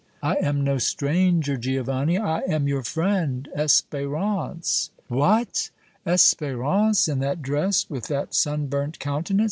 "I am no stranger, Giovanni. I am your friend, Espérance." "What! Espérance in that dress, with that sunburnt countenance!